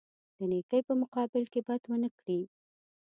د نیکۍ په مقابل کې بد ونه کړي.